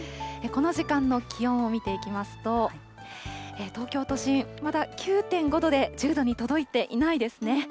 この時間の気温を見ていきますと、東京都心、まだ９．５度で、１０度に届いていないですね。